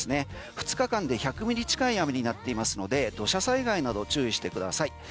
２日間で１００ミリ近い雨になっていますので土砂災害など注意してください。